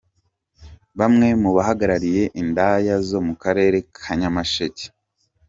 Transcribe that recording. Bamwe mu bahagarariye Indaya zo mu karere ka Nyamasheke.